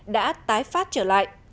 đã tái phát trở lại